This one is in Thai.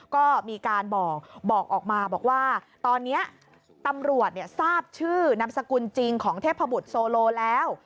ก็มีการบอกบอกออกมาบอกว่าตอนนี้ตำรวจทราบชื่อนามสกุลจริงของเทพบุตรโซโลแล้ว